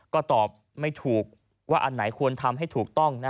ก็ตอบไม่ถูกว่าอันไหนควรทำให้ถูกต้อง